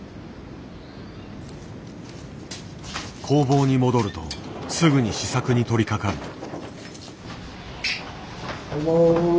工房に戻るとすぐに試作に取りかかる。